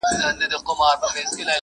د مقالي ژبه باید د شاګرد خپله وي.